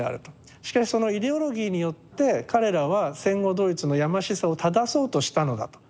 しかしそのイデオロギーによって彼らは戦後ドイツのやましさをただそうとしたのだと。